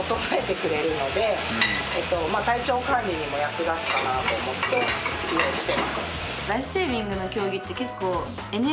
体調管理にも役立つかなと思って利用してます。